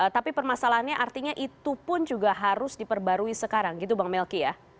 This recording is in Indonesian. tapi permasalahannya artinya itu pun juga harus diperbarui sekarang gitu bang melki ya